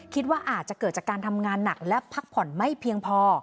คิดว่าอาจจะเกิดจากการทำงานหนักและพักผ่อนไม่เพียงพอ